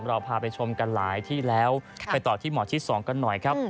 เราพาไปชมกันหลายที่แล้วไปต่อที่หมอชิด๒กันหน่อยครับ